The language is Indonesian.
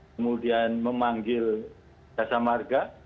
kemudian memanggil dasar marga